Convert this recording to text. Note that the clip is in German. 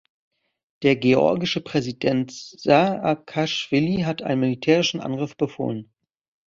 Der georgische Präsident Saakaschwili hat einen militärischen Angriff befohlen.